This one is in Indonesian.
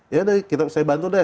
ya saya bantu deh